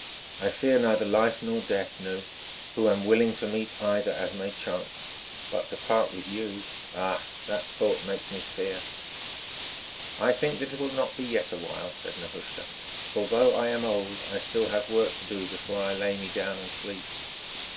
"I fear neither life nor death, Nou, who am willing to meet either as may chance. But to part with you—ah! that thought makes me fear." "I think that it will not be yet awhile," said Nehushta, "for although I am old, I still have work to do before I lay me down and sleep.